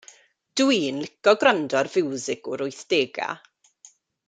Dw i'n licio gwrando ar fiwsig o'r wythdega'.